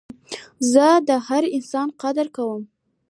زه د هر انسان قدر کوم.